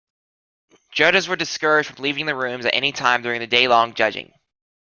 Judges were discouraged from leaving the rooms at any time during the day-long judging.